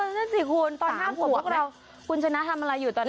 นั่นสิคุณตอน๕ขวบพวกเราคุณชนะทำอะไรอยู่ตอนนี้